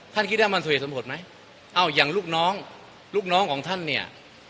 ท่านคิดได้มันส่วนผลไหมอ้าวอย่างลูกน้องลูกน้องของท่านเนี้ย